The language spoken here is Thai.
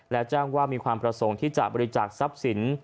และแจ้งว่ามีความประสงค์ที่จะบริจาคทรัพย์สิน